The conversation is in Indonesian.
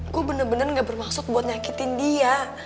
gue bener bener gak bermaksud buat nyakitin dia